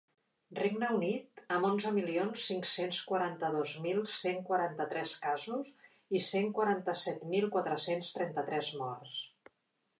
Regne Unit, amb onze milions cinc-cents quaranta-dos mil cent quaranta-tres casos i cent quaranta-set mil quatre-cents trenta-tres morts.